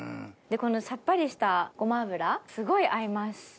このさっぱりしたごま油すごい合います。